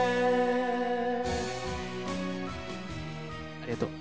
ありがとう。